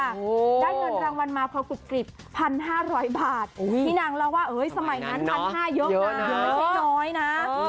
ได้เงินรางวัลมาคอกุศกลิบ๑๕๐๐บาทพี่นางเล่าว่าสมัยนั้น๑๕๐๐เยอะมาก